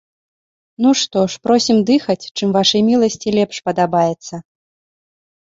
Ну, што ж, просім дыхаць, чым вашай міласці лепш падабаецца.